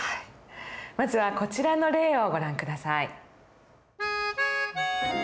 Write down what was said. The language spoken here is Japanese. まずはこちらの例をご覧下さい。